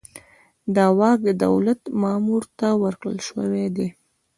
دا واک د دولت مامور ته ورکړل شوی دی.